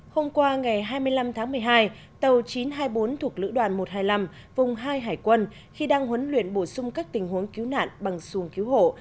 hôm qua ngày hai mươi năm tháng một mươi hai tàu chín trăm hai mươi bốn thuộc lữ đoàn một trăm hai mươi năm vùng hai hải quân khi đang huấn luyện bổ sung các tình huống cứu nạn bằng xuồng cứu hộ